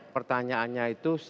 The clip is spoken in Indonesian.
pertanyaannya itu satu